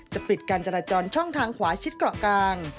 ปิดการจราจรช่องทางขวาชิดเกาะกลาง